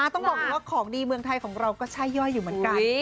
ต้องบอกเลยว่าของดีเมืองไทยของเราก็ช่าย่อยอยู่เหมือนกัน